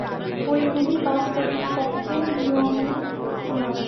ঐগুলি বাস্তবিক পক্ষে নিয়মই নয়।